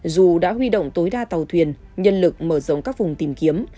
dù đã huy động tối đa tàu thuyền nhân lực mở rộng các vùng tìm kiếm